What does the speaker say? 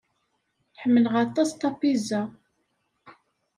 Ḥemmleɣ aṭas tapizza.